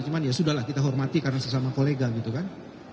cuman ya sudah lah kita hormati karena sesama kolega gitu kan